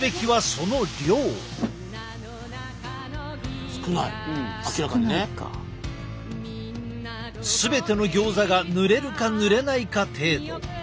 全てのギョーザがぬれるかぬれないか程度。